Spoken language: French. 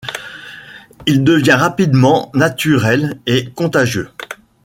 Il devient rapidement naturel et contagieux.